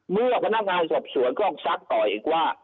เมื่อพนักงานสอบสวนก็ซักต่ออีกว่า